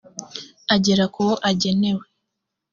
agere ku wo agenewe